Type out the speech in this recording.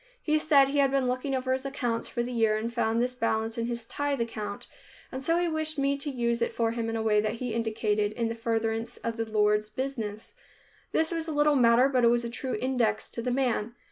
He said he had been looking over his accounts for the year and found this balance in his tithe account, and so he wished me to use it for him in a way that he indicated, in the furtherance of the Lord's business. This was a little matter, but it was a true index to the man.